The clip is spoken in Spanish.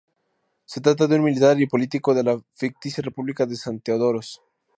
Se trata de un militar y político de la ficticia República de San Theodoros.